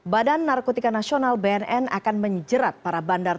badan narkotika nasional bnn akan menjerat para bandar